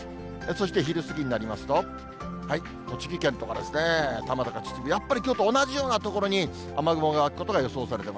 そして昼過ぎになりますと、栃木県とかですね、多摩とか秩父、やっぱりきょうと同じような所に雨雲があることが予想されてる。